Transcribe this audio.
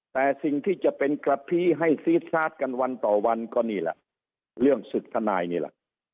แต่สิ่งที่จะเป็นกระพีให้ซีดซาดกันวันต่อวันก็นี่แหละเรื่องศึกทนายนี่แหละ